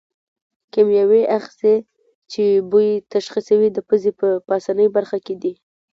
کیمیاوي آخذې چې بوی تشخیصوي د پزې په پاسنۍ برخه کې دي.